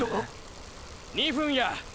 ２分や！